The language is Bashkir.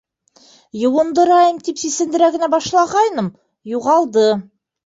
Йыуындырайым тип, сисендерә генә башлағайным - юғалды!